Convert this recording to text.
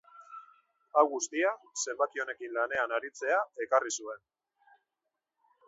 Hau guztia, zenbaki honekin lanean aritzea ekarri zuen.